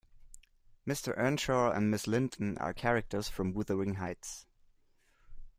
Mr Earnshaw and Mrs Linton are characters from Wuthering Heights